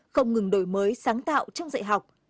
không ngừng đổi mới sáng tạo trong dạy học